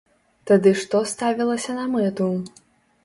Тады што ставілася на мэту?